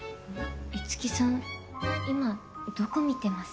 樹さん今どこ見てます？